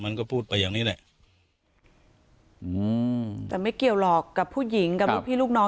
มันก็พูดไปอย่างนี้แหละอืมแต่ไม่เกี่ยวหรอกกับผู้หญิงกับลูกพี่ลูกน้อง